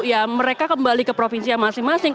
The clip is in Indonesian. ya mereka kembali ke provinsi yang masing masing